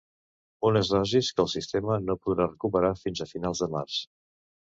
Unes dosis que el sistema no podrà recuperar fins a finals de març.